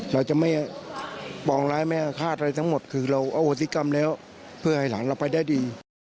เราจะไม่ปองร้ายไม่อาฆาตอะไรทั้งหมดคือเราอโหติกรรมแล้วเพื่อให้หลานเราไปได้ดี